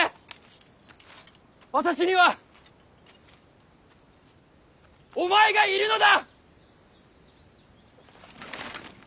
私にはお前が要るのだ！